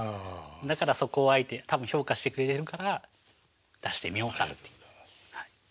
だからそこをあえて多分評価してくれてるから出してみようかっていうはい。